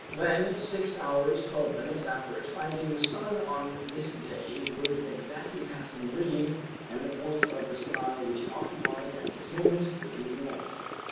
Then, six hours, twelve minutes after its rising, the sun on this day would exactly pass the meridian and the point of the sky which it occupied at this moment would be the north.